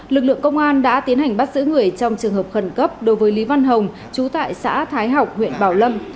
lực lượng công an đã tiến hành bắt giữ người trong trường hợp khẩn cấp đối với lý văn hồng chú tại xã thái học huyện bảo lâm